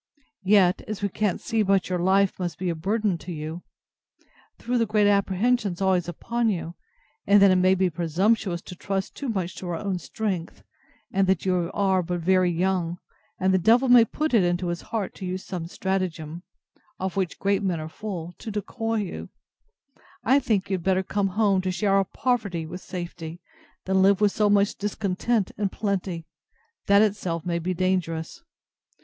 Yet, as we can't see but your life must be a burthen to you, through the great apprehensions always upon you; and that it may be presumptuous to trust too much to our own strength; and that you are but very young; and the devil may put it into his heart to use some stratagem, of which great men are full, to decoy you: I think you had better come home to share our poverty with safety, than live with so much discontent in a plenty, that itself may be dangerous.